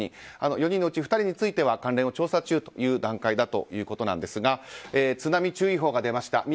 ４人のうち１人については関連を調査中という段階だということですが津波注意報が出ました。